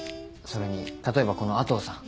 それに例えばこの阿藤さん。